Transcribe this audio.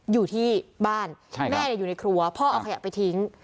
อยู่ที่บ้านแม่อยู่ในครัวพ่อเอาขยะไปทิ้ง